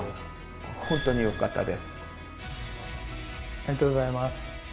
ありがとうございます。